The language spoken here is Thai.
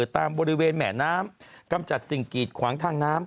ตามบริเวณแหม่น้ำกำจัดสิ่งกีดขวางทางน้ำ